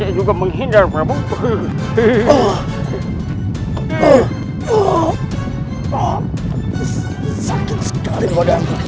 eh oh vous saking sekali modem cerai